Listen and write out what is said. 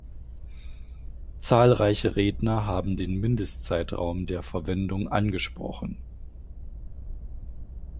Zahlreiche Redner haben den Mindestzeitraum der Verwendung angesprochen.